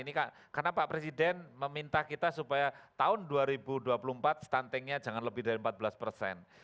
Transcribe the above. ini karena pak presiden meminta kita supaya tahun dua ribu dua puluh empat stuntingnya jangan lebih dari empat belas persen